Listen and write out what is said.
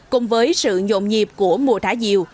cùng với sự nhộn nhịp của mùa thả diều